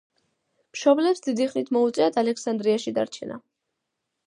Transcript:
მშობლებს დიდი ხნით მოუწიათ ალექსანდრიაში დარჩენა.